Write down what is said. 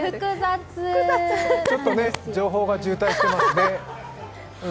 ちょっと情報が渋滞してますね。